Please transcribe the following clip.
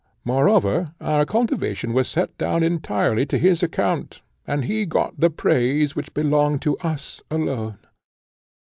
Moreover our cultivation was set down entirely to his account, and he got the praise which belonged to us alone.